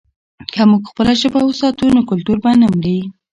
که موږ خپله ژبه وساتو، نو کلتور به نه مري.